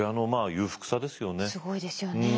すごいですよね。